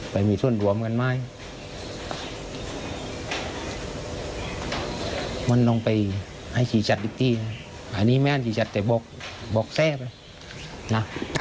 แต่สามะเนญหลูกนี้อาจจะเป็นกุญแจทำกัน